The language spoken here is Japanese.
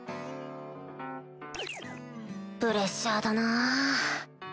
プレッシャーだなぁ